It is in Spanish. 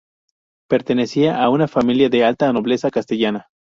Pertenecía a una familia de la alta nobleza castellana.